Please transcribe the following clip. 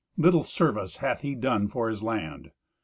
Little service hath he done for his land."